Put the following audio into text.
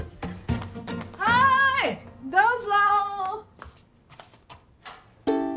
はーいどうぞ。